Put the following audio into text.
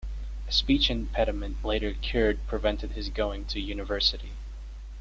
A speech impediment, later cured, prevented his going to university.